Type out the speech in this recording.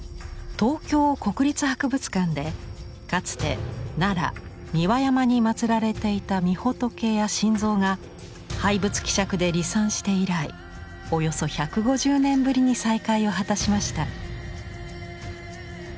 東京国立博物館でかつて奈良・三輪山にまつられていたみほとけや神像が廃仏毀釈で離散して以来およそ１５０年ぶりに再会を果たしました。